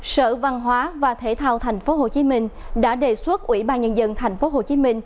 sở văn hóa và thể thao tp hcm đã đề xuất ủy ban nhân dân tp hcm